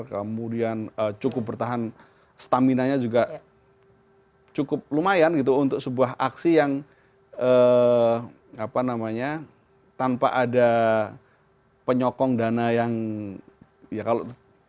kemudian cukup bertahan stamina nya juga cukup lumayan gitu untuk sebuah aksi yang tanpa ada penyokong dana yang ya kalau